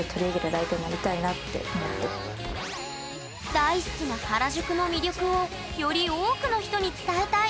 大好きな原宿の魅力をより多くの人に伝えたい。